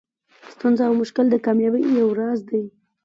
ستونزه او مشکل د کامیابۍ یو راز دئ.